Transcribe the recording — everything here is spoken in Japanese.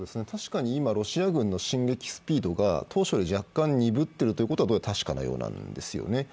確かに今、ロシア軍の進撃スピードが当初より若干鈍っていることは確かなようなんです。